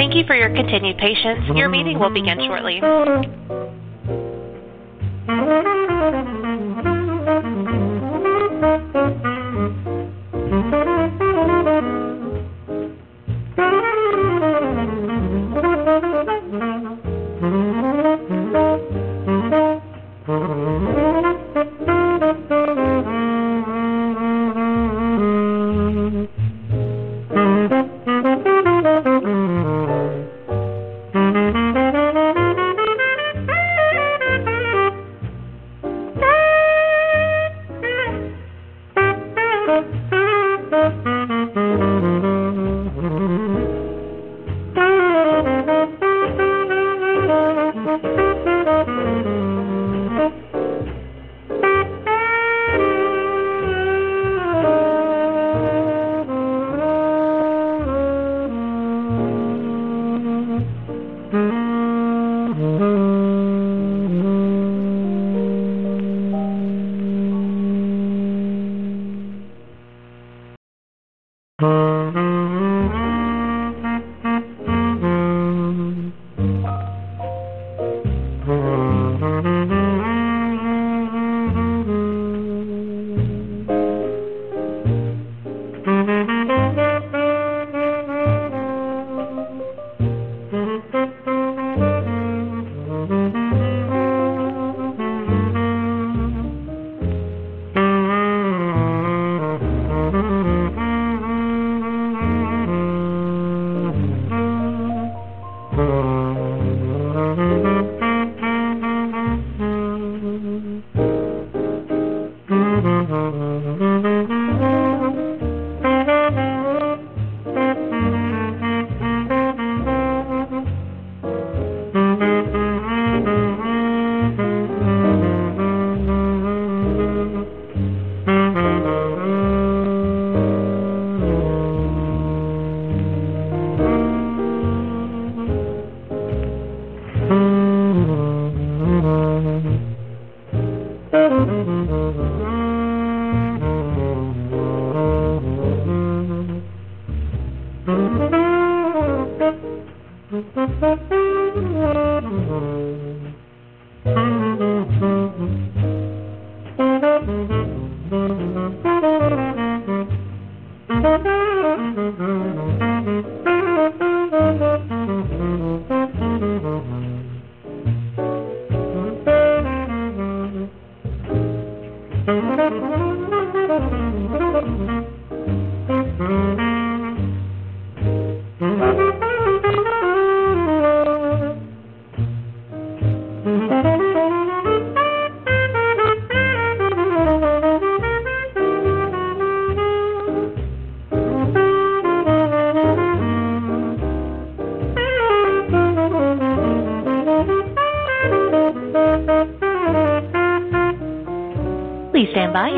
Thank you for your continued patience. Your meeting will begin shortly. Please stand by.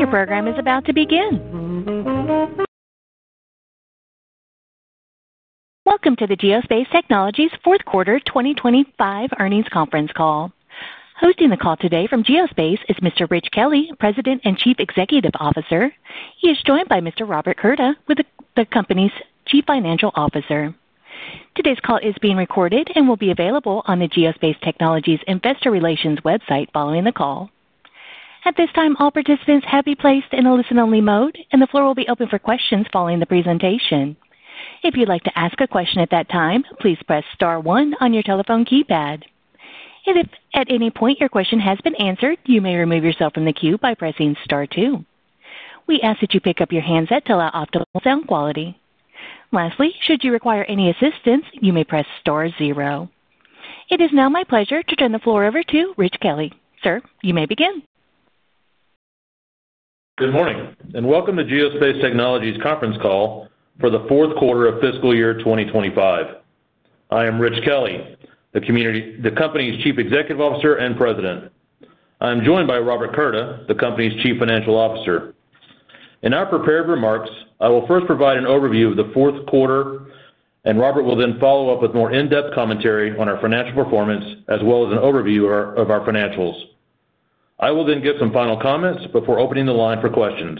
Your program is about to begin. Welcome to the Geospace Technologies fourth quarter 2025 earnings conference call. Hosting the call today from Geospace is Mr. Rich Kelley, President and Chief Executive Officer. He is joined by Mr. Robert Curda, the company's Chief Financial Officer. Today's call is being recorded and will be available on the Geospace Technologies Investor Relations website following the call. At this time, all participants have been placed in a listen-only mode, and the floor will be open for questions following the presentation. If you'd like to ask a question at that time, please press star one on your telephone keypad. If at any point your question has been answered, you may remove yourself from the queue by pressing star two. We ask that you pick up your handset to allow optimal sound quality. Lastly, should you require any assistance, you may press star zero. It is now my pleasure to turn the floor over to Rich Kelley. Sir, you may begin. Good morning and Welcome To Geospace Technologies Conference Call for the fourth quarter of fiscal year 2025. I am Rich Kelley, the company's Chief Executive Officer and President. I am joined by Robert Curda, the company's Chief Financial Officer. In our prepared remarks, I will first provide an overview of the fourth quarter, and Robert will then follow up with more in-depth commentary on our financial performance as well as an overview of our financials. I will then give some final comments before opening the line for questions.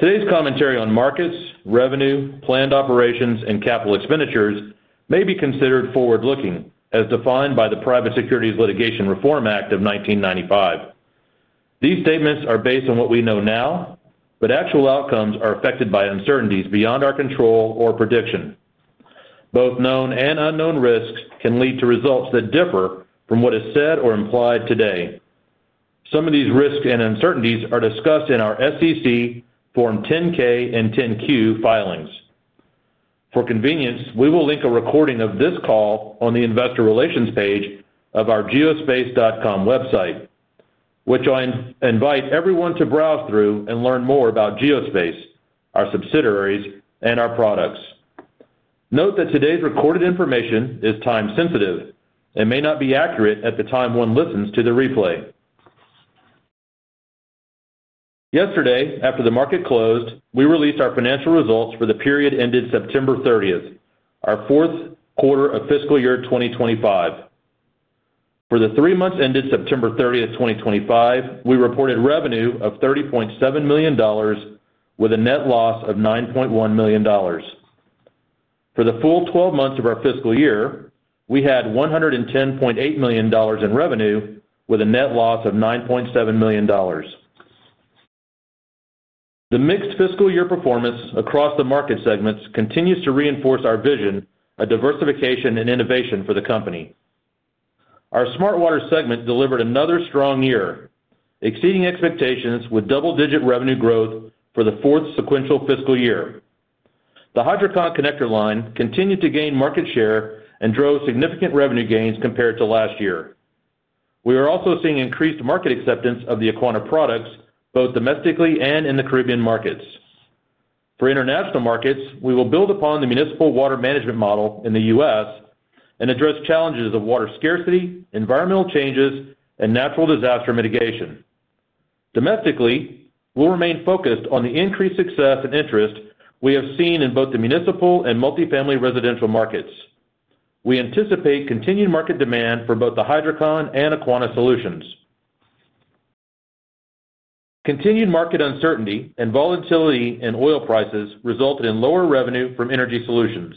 Today's commentary on markets, revenue, planned operations, and capital expenditures may be considered forward-looking as defined by the Private Securities Litigation Reform Act of 1995. These statements are based on what we know now, but actual outcomes are affected by uncertainties beyond our control or prediction. Both known and unknown risks can lead to results that differ from what is said or implied today. Some of these risks and uncertainties are discussed in our SEC Form 10-K and 10-Q filings. For convenience, we will link a recording of this call on the investor relations page of our geospace.com website, which I invite everyone to browse through and learn more about Geospace, our subsidiaries, and our products. Note that today's recorded information is time-sensitive and may not be accurate at the time one listens to the replay. Yesterday, after the market closed, we released our financial results for the period ended September 30, our fourth quarter of fiscal year 2025. For the three months ended September 30, 2025, we reported revenue of $30.7 million with a net loss of $9.1 million. For the full 12 months of our fiscal year, we had $110.8 million in revenue with a net loss of $9.7 million. The mixed fiscal year performance across the market segments continues to reinforce our vision of diversification and innovation for the company. Our smart water segment delivered another strong year, exceeding expectations with double-digit revenue growth for the fourth sequential fiscal year. The Hydrocon connector line continued to gain market share and drove significant revenue gains compared to last year. We are also seeing increased market acceptance of the Aquana products both domestically and in the Caribbean markets. For international markets, we will build upon the municipal water management model in the U.S. and address challenges of water scarcity, environmental changes, and natural disaster mitigation. Domestically, we'll remain focused on the increased success and interest we have seen in both the municipal and multifamily residential markets. We anticipate continued market demand for both the Hydrocon and Aquana solutions. Continued market uncertainty and volatility in oil prices resulted in lower revenue from energy solutions.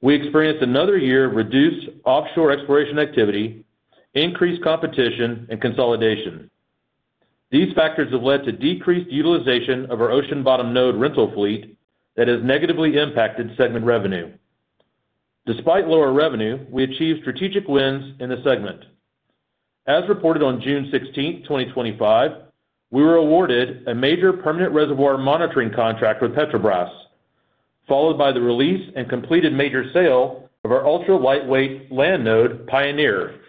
We experienced another year of reduced offshore exploration activity, increased competition, and consolidation. These factors have led to decreased utilization of our ocean bottom node rental fleet that has negatively impacted segment revenue. Despite lower revenue, we achieved strategic wins in the segment. As reported on June 16, 2025, we were awarded a major permanent reservoir monitoring contract with Petrobras, followed by the release and completed major sale of our ultra-lightweight land node Pioneer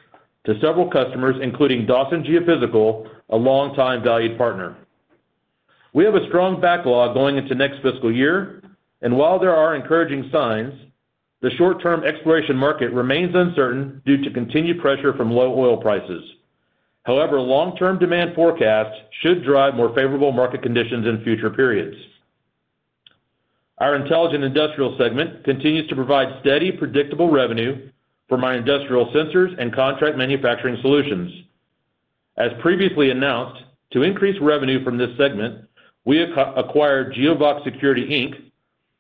to several customers, including Dawson Geophysical, a longtime valued partner. We have a strong backlog going into next fiscal year, and while there are encouraging signs, the short-term exploration market remains uncertain due to continued pressure from low oil prices. However, long-term demand forecasts should drive more favorable market conditions in future periods. Our intelligent industrial segment continues to provide steady, predictable revenue for my industrial sensors and contract manufacturing solutions. As previously announced, to increase revenue from this segment, we acquired Geovox Security,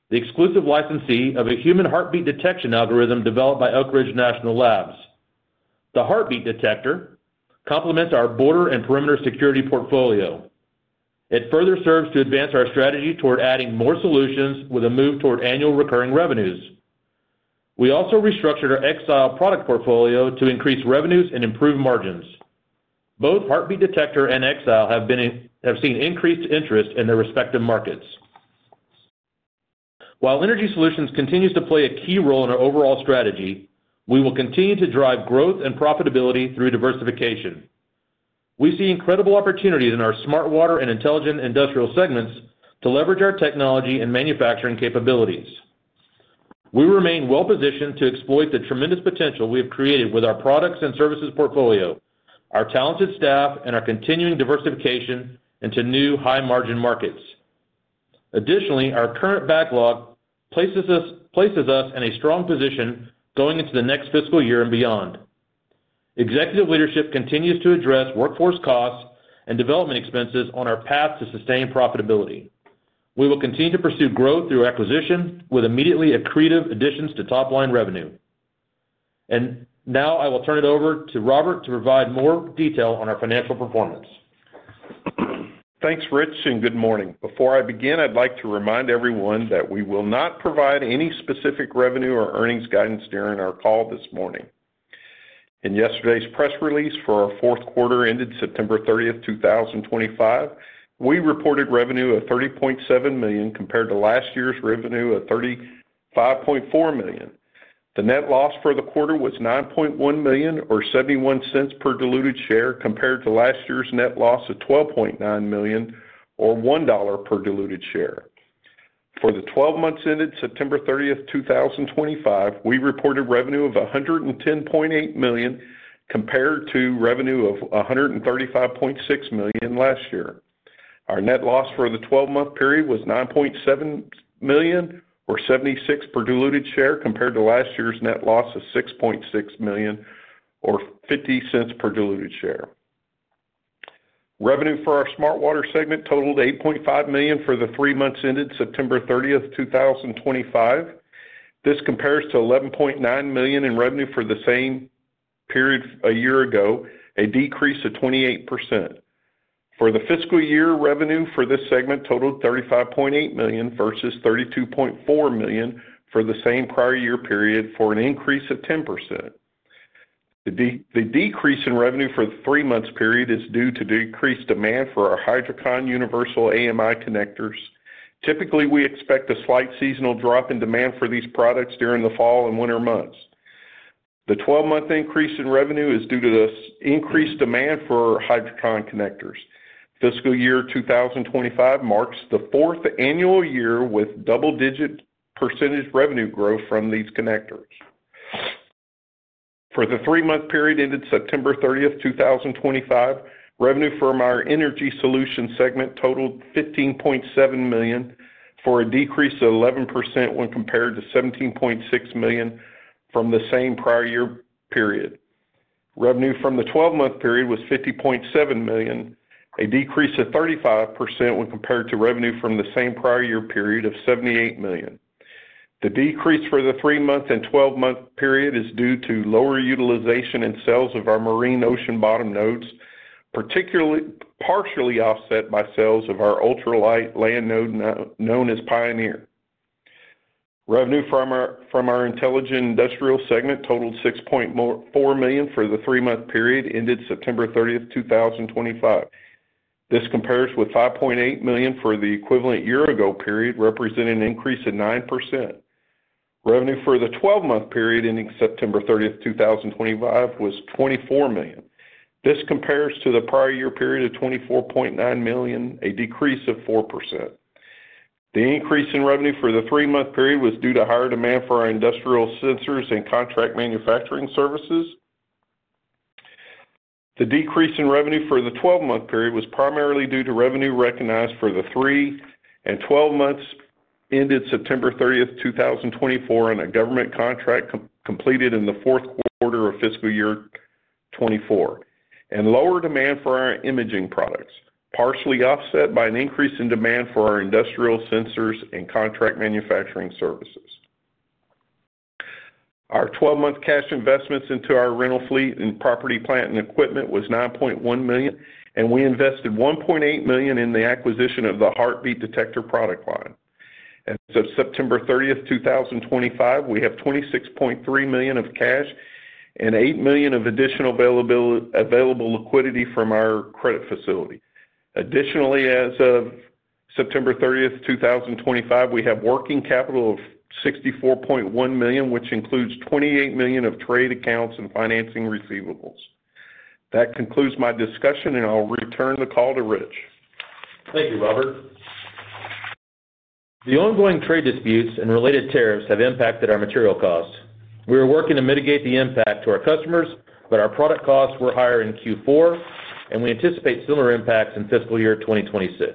the exclusive licensee of a human heartbeat detection algorithm developed by Oak Ridge National Labs. The heartbeat detector complements our border and perimeter security portfolio. It further serves to advance our strategy toward adding more solutions with a move toward annual recurring revenues. We also restructured our Exile product portfolio to increase revenues and improve margins. Both heartbeat detector and Exile have seen increased interest in their respective markets. While energy solutions continue to play a key role in our overall strategy, we will continue to drive growth and profitability through diversification. We see incredible opportunities in our smart water and intelligent industrial segments to leverage our technology and manufacturing capabilities. We remain well-positioned to exploit the tremendous potential we have created with our products and services portfolio, our talented staff, and our continuing diversification into new high-margin markets. Additionally, our current backlog places us in a strong position going into the next fiscal year and beyond. Executive leadership continues to address workforce costs and development expenses on our path to sustained profitability. We will continue to pursue growth through acquisition with immediately accretive additions to top-line revenue. I will now turn it over to Robert to provide more detail on our financial performance. Thanks, Rich, and good morning. Before I begin, I'd like to remind everyone that we will not provide any specific revenue or earnings guidance during our call this morning. In yesterday's press release for our fourth quarter ended September 30, 2025, we reported revenue of $30.7 million compared to last year's revenue of $35.4 million. The net loss for the quarter was $9.1 million, or $0.71 per diluted share, compared to last year's net loss of $12.9 million, or $1 per diluted share. For the 12 months ended September 30, 2025, we reported revenue of $110.8 million compared to revenue of $135.6 million last year. Our net loss for the 12-month period was $9.7 million, or $0.76 per diluted share, compared to last year's net loss of $6.6 million, or $0.50 per diluted share. Revenue for our smart water segment totaled $8.5 million for the three months ended September 30, 2025. This compares to $11.9 million in revenue for the same period a year ago, a decrease of 28%. For the fiscal year, revenue for this segment totaled $35.8 million versus $32.4 million for the same prior year period, for an increase of 10%. The decrease in revenue for the three-month period is due to decreased demand for our Hydrocon universal AMI connectors. Typically, we expect a slight seasonal drop in demand for these products during the fall and winter months. The 12-month increase in revenue is due to the increased demand for Hydrocon connectors. Fiscal year 2025 marks the fourth annual year with double-digit percentage revenue growth from these connectors. For the three-month period ended September 30, 2025, revenue from our energy solution segment totaled $15.7 million, for a decrease of 11% when compared to $17.6 million from the same prior year period. Revenue from the 12-month period was $50.7 million, a decrease of 35% when compared to revenue from the same prior year period of $78 million. The decrease for the three-month and 12-month period is due to lower utilization and sales of our marine ocean bottom nodes, particularly partially offset by sales of our ultra-light land node known as Pioneer. Revenue from our intelligent industrial segment totaled $6.4 million for the three-month period ended September 30, 2025. This compares with $5.8 million for the equivalent year-ago period, representing an increase of 9%. Revenue for the 12-month period ending September 30, 2025, was $24 million. This compares to the prior year period of $24.9 million, a decrease of 4%. The increase in revenue for the three-month period was due to higher demand for our industrial sensors and contract manufacturing services. The decrease in revenue for the 12-month period was primarily due to revenue recognized for the three and 12 months ended September 30, 2024, on a government contract completed in the fourth quarter of fiscal year 2024, and lower demand for our imaging products, partially offset by an increase in demand for our industrial sensors and contract manufacturing services. Our 12-month cash investments into our rental fleet and property plant and equipment was $9.1 million, and we invested $1.8 million in the acquisition of the Heartbeat Detector product line. As of September 30, 2025, we have $26.3 million of cash and $8 million of additional available liquidity from our credit facility. Additionally, as of September 30, 2025, we have working capital of $64.1 million, which includes $28 million of trade accounts and financing receivables. That concludes my discussion, and I'll return the call to Rich. Thank you, Robert. The ongoing trade disputes and related tariffs have impacted our material costs. We are working to mitigate the impact to our customers, but our product costs were higher in Q4, and we anticipate similar impacts in fiscal year 2026.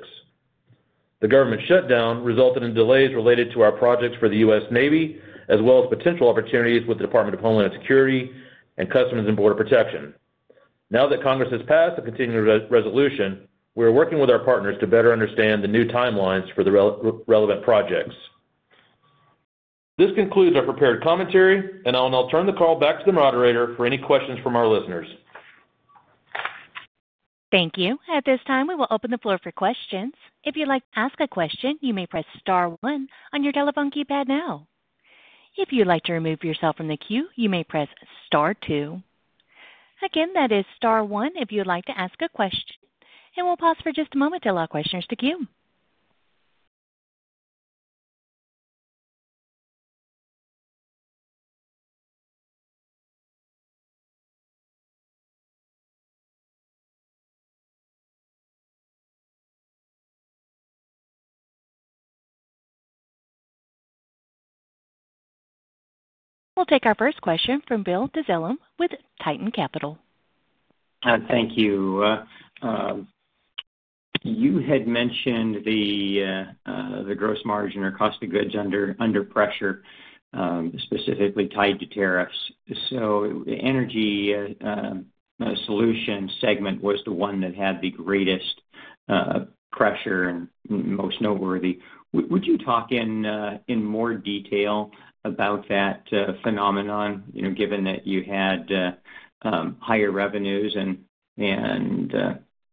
The government shutdown resulted in delays related to our projects for the U.S. Navy, as well as potential opportunities with the Department of Homeland Security and Customs and Border Protection. Now that Congress has passed the continued resolution, we are working with our partners to better understand the new timelines for the relevant projects. This concludes our prepared commentary, and I'll now turn the call back to the moderator for any questions from our listeners. Thank you. At this time, we will open the floor for questions. If you'd like to ask a question, you may press star one on your telephone keypad now. If you'd like to remove yourself from the queue, you may press star two. Again, that is star one if you'd like to ask a question. We'll pause for just a moment to allow questioners to queue. We'll take our first question from Bill Dezellem with Tieton Capital. Thank you. You had mentioned the gross margin or cost of goods under pressure, specifically tied to tariffs. The energy solution segment was the one that had the greatest pressure and most noteworthy. Would you talk in more detail about that phenomenon, given that you had higher revenues and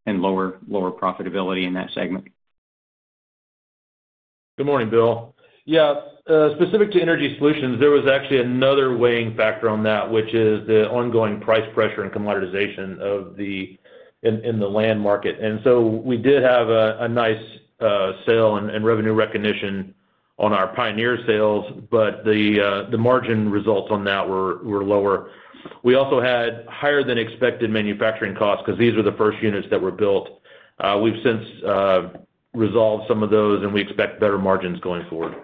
lower profitability in that segment? Good morning, Bill. Yeah, specific to energy solutions, there was actually another weighing factor on that, which is the ongoing price pressure and commoditization in the land market. We did have a nice sale and revenue recognition on our Pioneer sales, but the margin results on that were lower. We also had higher-than-expected manufacturing costs because these were the first units that were built. We've since resolved some of those, and we expect better margins going forward.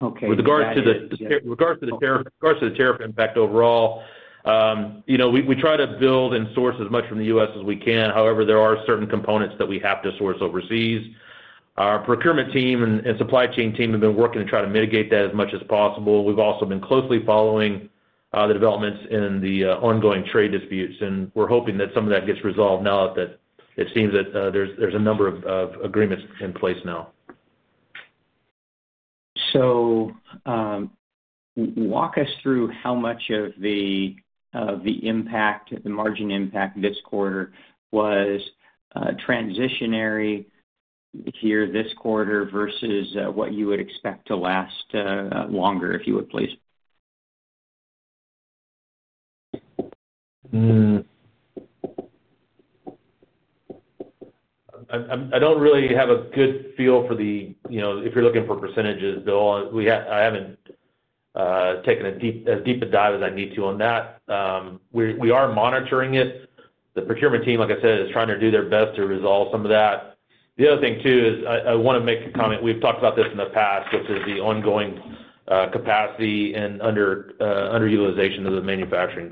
With regards to the tariff impact overall, we try to build and source as much from the U.S. as we can. However, there are certain components that we have to source overseas. Our procurement team and supply chain team have been working to try to mitigate that as much as possible. We've also been closely following the developments in the ongoing trade disputes, and we're hoping that some of that gets resolved now that it seems that there's a number of agreements in place now. Walk us through how much of the margin impact this quarter was transitionary here this quarter versus what you would expect to last longer, if you would, please. I don't really have a good feel for the, if you're looking for percentages, Bill, I haven't taken as deep a dive as I need to on that. We are monitoring it. The procurement team, like I said, is trying to do their best to resolve some of that. The other thing, too, is I want to make a comment. We've talked about this in the past, which is the ongoing capacity and underutilization of the manufacturing.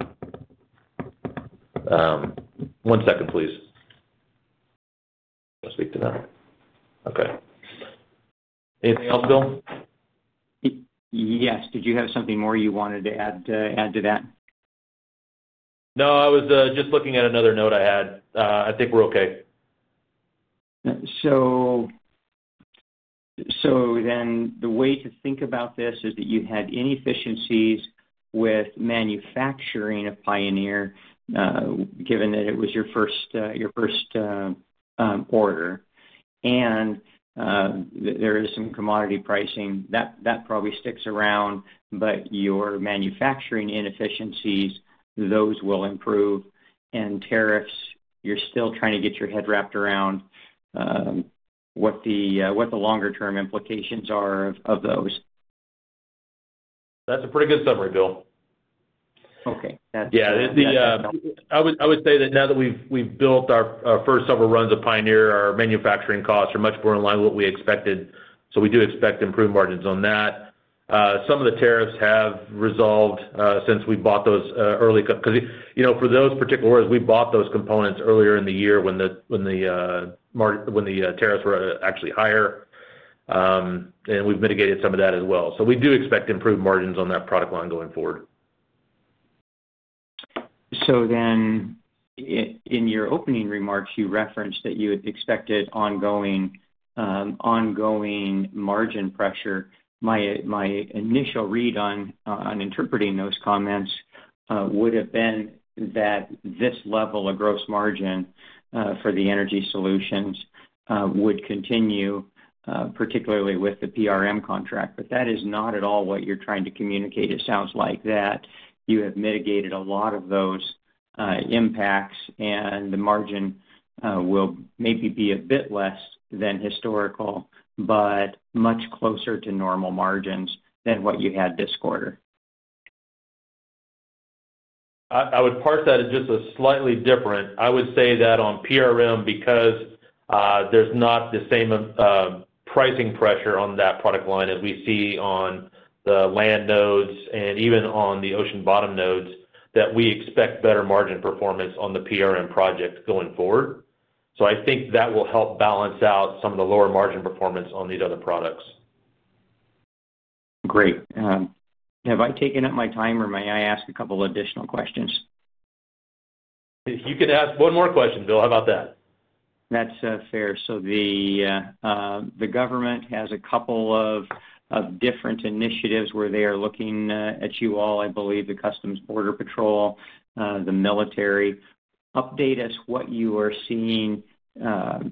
One second, please. I'll speak to that. Okay. Anything else, Bill? Yes. Did you have something more you wanted to add to that? No, I was just looking at another note I had. I think we're okay. The way to think about this is that you had inefficiencies with manufacturing of Pioneer, given that it was your first order. There is some commodity pricing. That probably sticks around, but your manufacturing inefficiencies, those will improve. Tariffs, you're still trying to get your head wrapped around what the longer-term implications are of those. That's a pretty good summary, Bill. Okay. That's good. Yeah. I would say that now that we've built our first several runs of Pioneer, our manufacturing costs are much more in line with what we expected. We do expect improved margins on that. Some of the tariffs have resolved since we bought those early because for those particular orders, we bought those components earlier in the year when the tariffs were actually higher. We've mitigated some of that as well. We do expect improved margins on that product line going forward. In your opening remarks, you referenced that you had expected ongoing margin pressure. My initial read on interpreting those comments would have been that this level of gross margin for the energy solutions would continue, particularly with the PRM contract. That is not at all what you're trying to communicate. It sounds like you have mitigated a lot of those impacts, and the margin will maybe be a bit less than historical, but much closer to normal margins than what you had this quarter. I would parse that as just slightly different. I would say that on PRM, because there's not the same pricing pressure on that product line as we see on the land nodes and even on the ocean bottom nodes, we expect better margin performance on the PRM project going forward. I think that will help balance out some of the lower margin performance on these other products. Great. Have I taken up my time, or may I ask a couple of additional questions? You could ask one more question, Bill. How about that? That's fair. The government has a couple of different initiatives where they are looking at you all, I believe, the Customs and Border Protection, the military. Update us what you are seeing,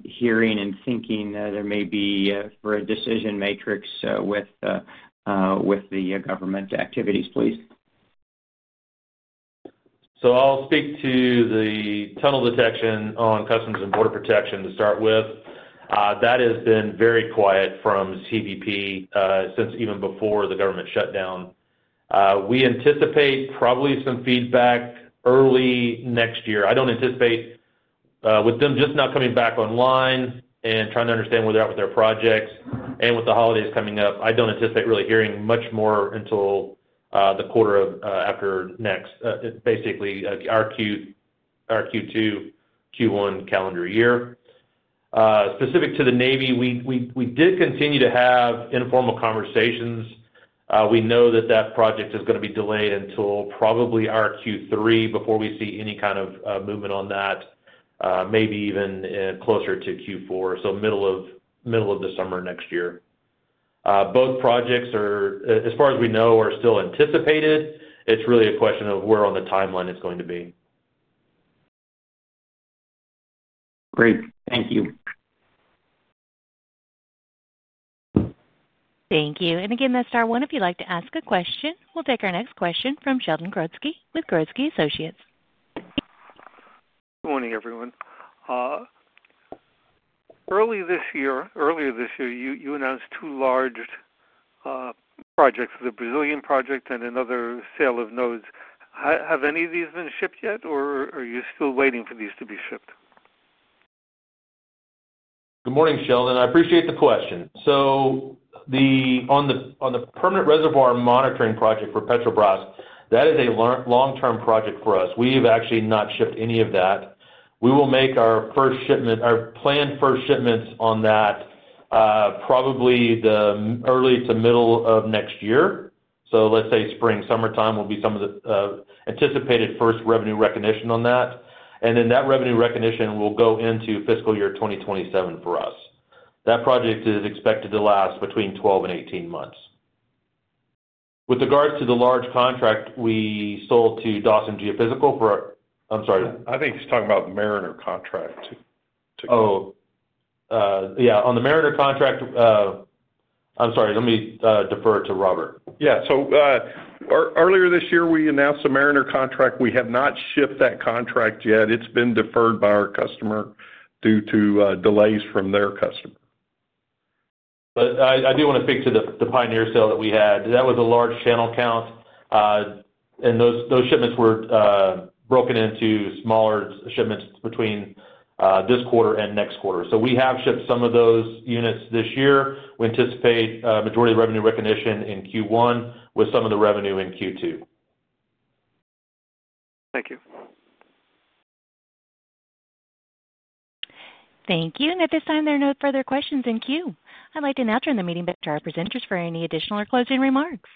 hearing, and thinking there may be for a decision matrix with the government activities, please. I'll speak to the tunnel detection on Customs and Border Protection to start with. That has been very quiet from CBP since even before the government shutdown. We anticipate probably some feedback early next year. I don't anticipate, with them just now coming back online and trying to understand where they're at with their projects and with the holidays coming up, I don't anticipate really hearing much more until the quarter after next, basically our Q2, Q1 calendar year. Specific to the Navy, we did continue to have informal conversations. We know that that project is going to be delayed until probably our Q3 before we see any kind of movement on that, maybe even closer to Q4, so middle of the summer next year. Both projects, as far as we know, are still anticipated. It's really a question of where on the timeline it's going to be. Great. Thank you. Thank you. That is our one if you'd like to ask a question. We'll take our next question from Sheldon Grodsky with Grodsky Associates. Good morning, everyone. Earlier this year, you announced two large projects, the Brazilian project and another sale of nodes. Have any of these been shipped yet, or are you still waiting for these to be shipped? Good morning, Sheldon. I appreciate the question. On the permanent reservoir monitoring project for Petrobras, that is a long-term project for us. We have actually not shipped any of that. We will make our planned first shipments on that probably the early to middle of next year. Let's say spring, summertime will be some of the anticipated first revenue recognition on that. That revenue recognition will go into fiscal year 2027 for us. That project is expected to last between 12 months and 18 months. With regards to the large contract we sold to Dawson Geophysical for—I'm sorry. I think she's talking about the Mariner contract too. Oh, yeah. On the Mariner contract, I'm sorry, let me defer to Robert. Yeah. Earlier this year, we announced a Mariner contract. We have not shipped that contract yet. It has been deferred by our customer due to delays from their customer. I do want to speak to the Pioneer sale that we had. That was a large channel count. Those shipments were broken into smaller shipments between this quarter and next quarter. We have shipped some of those units this year. We anticipate a majority of revenue recognition in Q1 with some of the revenue in Q2. Thank you. Thank you. At this time, there are no further questions in queue. I'd like to now turn the meeting back to our presenters for any additional or closing remarks.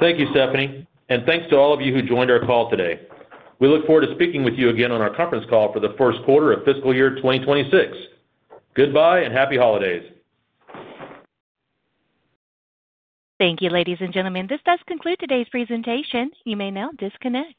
Thank you, Stephanie. Thank you to all of you who joined our call today. We look forward to speaking with you again on our conference call for the first quarter of fiscal year 2026. Goodbye and happy holidays. Thank you, ladies and gentlemen. This does conclude today's presentation. You may now disconnect.